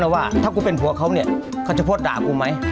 แล้วว่าถ้ากูเป็นผัวเขาเนี่ยเขาจะโพสต์ด่ากูไหม